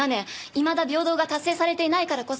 いまだ平等が達成されていないからこそ。